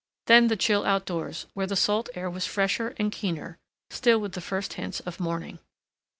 Then the chill outdoors—where the salt air was fresher and keener still with the first hints of morning.